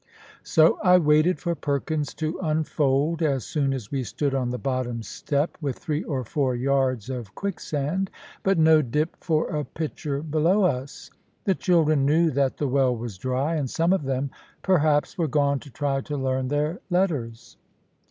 So I waited for Perkins to unfold, as soon as we stood on the bottom step, with three or four yards of quicksand, but no dip for a pitcher below us. The children knew that the well was dry, and some of them perhaps were gone to try to learn their letters.